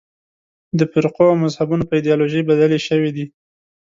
د فرقو او مذهبونو په ایدیالوژۍ بدلې شوې دي.